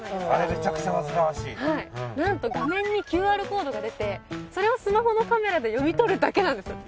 めちゃくちゃ煩わしいはい何と画面にＱＲコードが出てそれをスマホのカメラで読み取るだけなんですよ